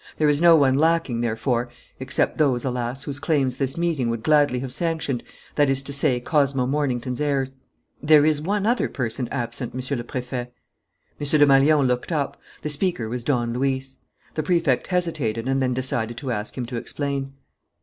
There is no one lacking, therefore except those, alas, whose claims this meeting would gladly have sanctioned, that is to say, Cosmo Mornington's heirs." "There is one other person absent, Monsieur le Préfet." M. Desmalions looked up. The speaker was Don Luis. The Prefect hesitated and then decided to ask him to explain.